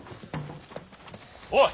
おい！